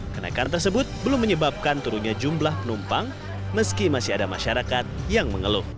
kenaikan tersebut belum menyebabkan turunnya jumlah penumpang meski masih ada masyarakat yang mengeluh